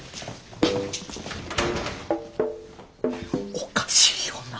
おかしいよな？